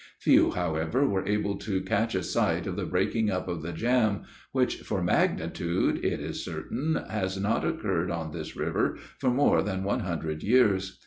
Few, however, were able to catch a sight of the breaking up of the jam, which, for magnitude, it is certain, has not occurred on this river for more than one hundred years.